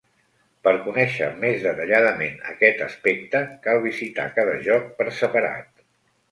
Per conèixer més detalladament aquest aspecte, cal visitar cada joc per separat.